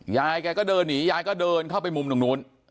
ยายแกก็เดินหนียายก็เดินเข้าไปมุมตรงนู้น